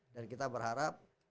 dan kita berharap